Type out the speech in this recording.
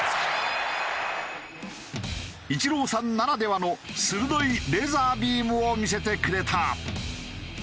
イチローさんならではの鋭いレーザービームを見せてくれた。